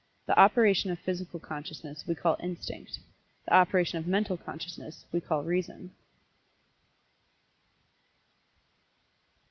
The operation of Physical Consciousness we call Instinct the operation of Mental Consciousness we call Reason.